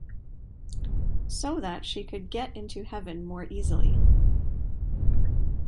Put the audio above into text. So that she could get into heaven more easily.